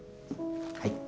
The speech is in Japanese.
はい。